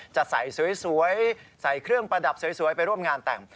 จะใส่สวยใส่เครื่องประดับสวยไปร่วมงานแต่ง